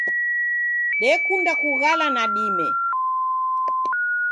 Dekunda kughala nadime.